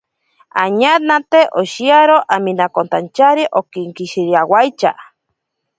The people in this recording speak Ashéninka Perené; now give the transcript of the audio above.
Añanate oshiyaro aminakotantyari akinkishiriawaitya.